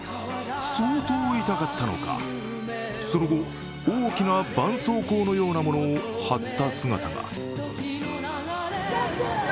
相当痛かったのか、その後、大きな絆創膏のようなものを貼った姿が。